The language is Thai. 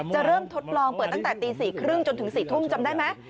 เริ่มทดลองเปิดตั้งแต่ตี๔๓๐จนถึง๔ทุ่มจำได้ไหม